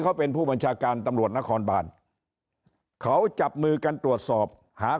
เขาเป็นผู้บัญชาการตำรวจนครบานเขาจับมือกันตรวจสอบหา